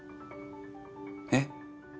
えっ？